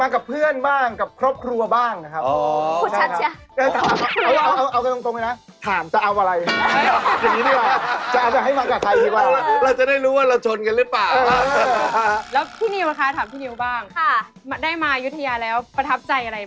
กับเพื่อนบ้างกับครอบครัวบ้างครับ